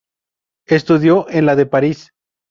Estudió en la de París.